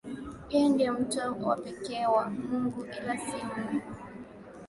yeye ni mtume wa pekee wa Mungu ila si Mungu